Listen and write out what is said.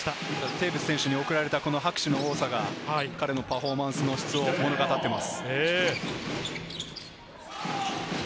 テーブス選手に送られた拍手の多さが彼のパフォーマンスの質を物語っています。